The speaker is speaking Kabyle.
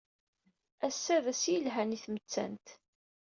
Ass-a d ass yelhan i tmettant.